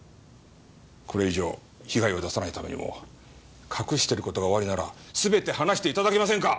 これ以上被害を出さないためにも隠してる事がおありなら全て話して頂けませんか？